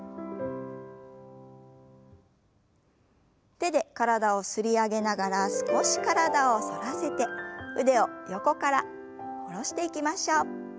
手で体を擦り上げながら少し体を反らせて腕を横から下ろしていきましょう。